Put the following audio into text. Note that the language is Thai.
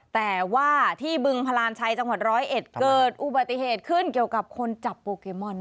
แต่ว่าที่บึงพลานชัยจังหวัดร้อยเอ็ดเกิดอุบัติเหตุขึ้นเกี่ยวกับคนจับโปเกมอน